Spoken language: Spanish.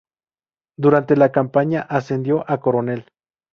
Durante la campaña, ascendió a coronel.